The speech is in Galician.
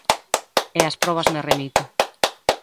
E ás probas me remito.